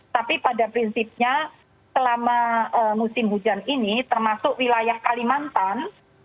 tapi pada prinsipnya selama musim hujan ini termasuk wilayah kalimantan